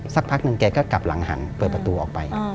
สักพักหนึ่งแกก็กลับหลังหันเปิดประตูออกไป